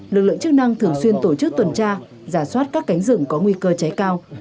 lực lượng chức năng thường xuyên tổ chức tuần tra giả soát các cánh rừng có nguy cơ cháy cao